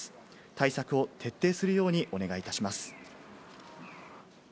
対策を徹底するようにお願いいたします。